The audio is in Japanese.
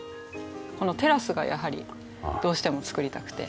このテラスがやはりどうしても造りたくて。